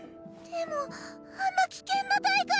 でもあんな危険な大会！